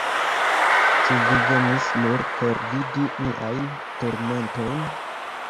Ĉu vi venis nur por vidi miajn turmentojn?